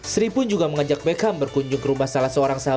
sri pun juga mengajak beckham berkunjung ke rumah salah seorang sahabat